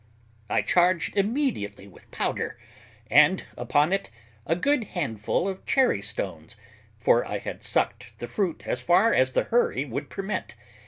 I charged immediately with powder, and upon it a good handful of cherry stones, for I had sucked the fruit as far as the hurry would permit.